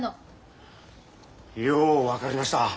よう分かりました。